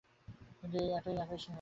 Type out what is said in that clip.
কিন্তু এটা একই সিংহ, তাই না?